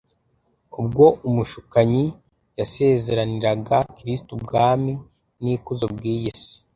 Ubwo umushukanyi yasezeraniraga Kristo ubwami n’ikuzo by’iyi si